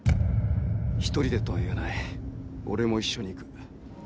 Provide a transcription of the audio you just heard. １人でとは言わない俺も一緒に行く。